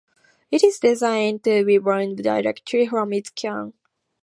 It is designed to be burned directly from its can.